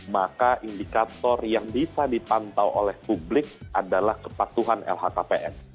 maka indikator yang bisa dipantau oleh publik adalah kepatuhan lhkpn